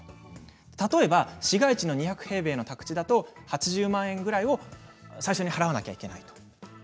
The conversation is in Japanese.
例えば市街地の２００平米の宅地だと８０万円くらいを最初に払わなければいけないという。